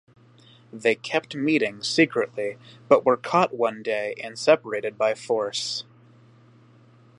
They kept meeting secretly but were caught one day and separated by force.